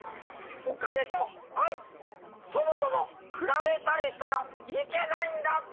「お金と愛そもそも比べたりしたらいけないんだぜ！」。